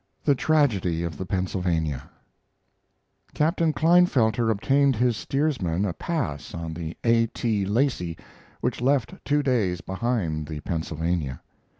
THE TRAGEDY OF THE "PENNSYLVANIA" Captain Klinefelter obtained his steersman a pass on the A. T. Lacey, which left two days behind the Pennsylvania.